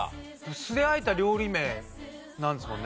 酢で和えた料理名なんですもんね。